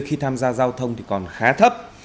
khi tham gia giao thông thì còn khá thấp